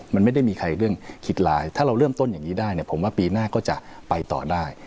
มันไม่ได้มีใครเรื่องคิดร้ายถ้าเราเริ่มต้นอย่างนี้ได้เนี่ยผมว่าปีหน้าก็จะไปต่อได้